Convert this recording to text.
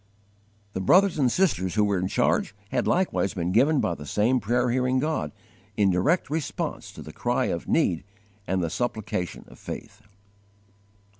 The brothers and sisters who were in charge had likewise been given by the same prayer hearing God, in direct response to the cry of need and the supplication of faith.